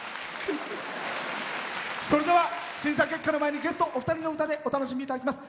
それでは、審査結果の前にゲストお二人の歌でお楽しみいただきます。